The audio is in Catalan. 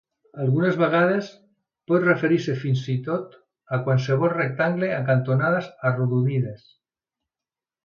Algunes vegades, pot referir-se fins i tot a qualsevol rectangle amb cantonades arrodonides.